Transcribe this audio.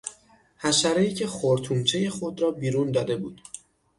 حشرهای که خرطومچهی خود را بیرون داده بود